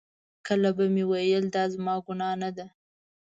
کله به مې ویل دا زما ګناه نه ده.